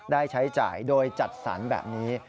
ได้ใช้จ่ายโดยจัดสรรแบบนี้